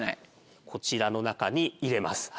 こちらの中に入れます